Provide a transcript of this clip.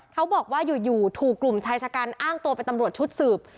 เขาบอกว่าอยู่ถูกกลุ่มชายชะกันอ้างตัวเป็นตำรวจชุดสืบ